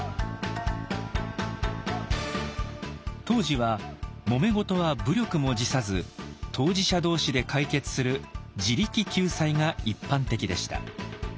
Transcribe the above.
当時はもめ事は武力も辞さず当事者同士で解決する「自力救済」が一般的でした。